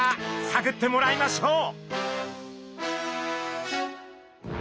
さぐってもらいましょう。